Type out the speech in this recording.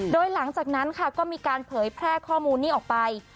โดยหลังจากนั้นค่ะก็มีการเผยแพร่ข้อมูลนี้ออกไป